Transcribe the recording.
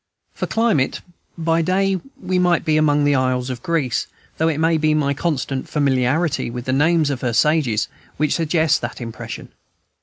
For climate, by day, we might be among the isles of Greece, though it may be my constant familiarity with the names of her sages which suggests that impression.